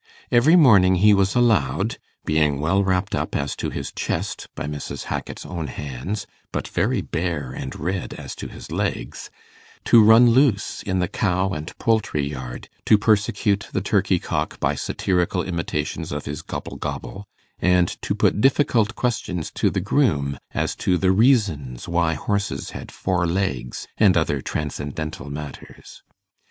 Every morning he was allowed being well wrapt up as to his chest by Mrs. Hackit's own hands, but very bare and red as to his legs to run loose in the cow and poultry yard, to persecute the turkey cock by satirical imitations of his gobble gobble, and to put difficult questions to the groom as to the reasons why horses had four legs, and other transcendental matters.